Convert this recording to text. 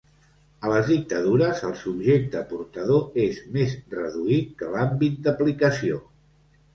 A les dictadures el subjecte portador és més reduït que l'àmbit d'aplicació.